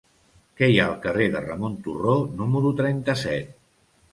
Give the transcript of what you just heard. Què hi ha al carrer de Ramon Turró número trenta-set?